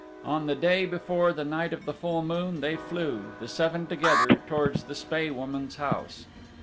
On the day before the night of the full moon they flew, the seven together, towards the Spae Woman's house.